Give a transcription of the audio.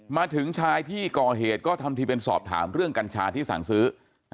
มาถึงชายที่ก่อเหตุก็ทำทีเป็นสอบถามเรื่องกัญชาที่สั่งซื้อ